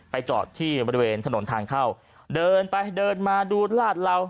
จอดที่บริเวณถนนทางเข้าเดินไปเดินมาดูลาดเหลา